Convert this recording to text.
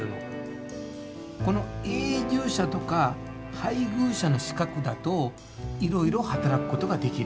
この「永住者」とか「配偶者」の資格だといろいろ働くことができる。